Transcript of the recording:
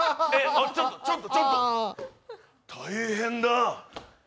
ああちょっと、ちょっと大変だ、。